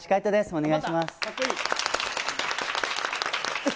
お願いします。